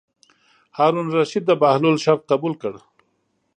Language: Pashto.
هارون الرشید د بهلول شرط قبول کړ.